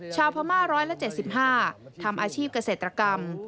ชาวพม่า๑๗๕ทำอาชีพเกษตรกรรม